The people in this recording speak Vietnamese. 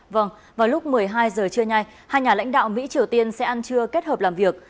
vâng vào lúc một mươi hai giờ trưa nay hai nhà lãnh đạo mỹ triều tiên sẽ ăn trưa kết hợp làm việc